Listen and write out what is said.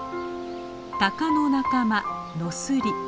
タカの仲間ノスリ。